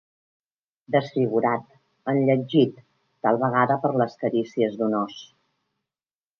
Desfigurat, enlletgit, tal vegada per les carícies d'un ós.